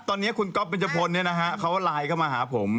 ตอนนี้คุณก๊อฟเป็นสมพงศ์เนี่ยค้าไลน์กับมาหาผม